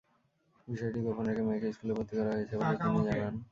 বিষয়টি গোপন রেখে মেয়েকে স্কুলে ভর্তি করা হয়েছে বলে তিনি জানালেন।